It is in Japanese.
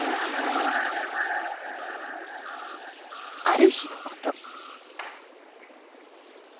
ある日のこと。